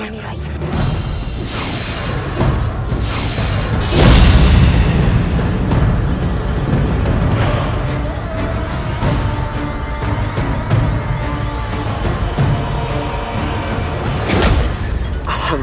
suara surut hoai rambut